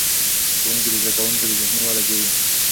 ښوونکي د زده کوونکو ذهني وده ګوري.